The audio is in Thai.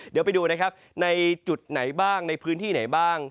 เดี๋ยวไปดูนะครับในจุดไหนบ้างในพื้นที่ไหนบ้าง